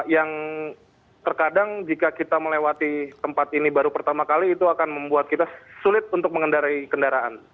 yang terkadang jika kita melewati tempat ini baru pertama kali itu akan membuat kita sulit untuk mengendarai kendaraan